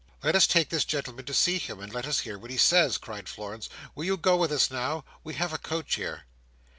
"Let us take this gentleman to see him, and let us hear what he says," cried Florence. "Will you go with us now? We have a coach here."